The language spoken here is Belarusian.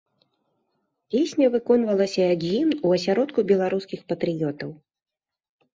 Песня выконвалася як гімн у асяродку беларускіх патрыётаў.